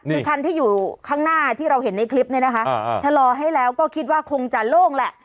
คือคันที่อยู่ข้างหน้าที่เราเห็นในคลิปนี้นะคะชะลอให้แล้วก็คิดว่าคงจะโล่งแหละ